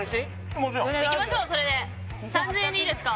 もちろんいきましょうそれで３０００円でいいですか？